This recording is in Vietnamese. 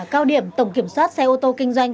cao điểm tổng kiểm soát xe ô tô kinh doanh